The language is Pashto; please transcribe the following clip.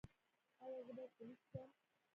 ایا زه باید پولیس شم؟